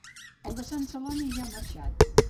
El de Sant Celoni ja ha marxat